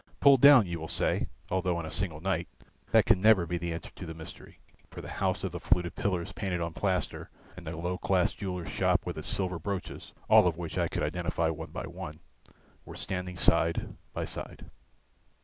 Pulled down, you will say, although in a single night. That can never be the answer to the mystery, for the house of the fluted pillars painted on plaster and the low class jeweller's shop with its silver brooches (all of which I could identify one by one) were standing side by side.